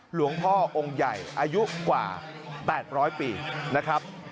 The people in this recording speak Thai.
หลวงพ่อองค์ใหญ่อายุกว่า๘๐๐ปีนะครับ